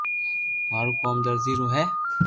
مارو ڪوم درزي رو ھي